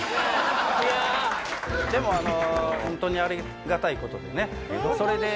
でも本当にありがたい事でね。